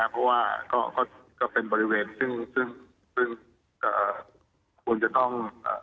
เพราะว่าก็เป็นบริเวณซึ่งซึ่งซึ่งควรจะต้อง